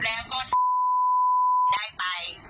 แล้วก็ได้ไป